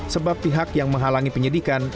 sebab pihak yang menghalangi penyidikan